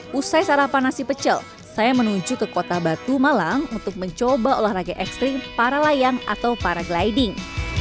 pusai sarapan nasi pecel saya menuju ke kota batu malang untuk mencoba olahraga ekstrim para layang atau para gliding